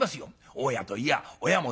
大家といや親も同様。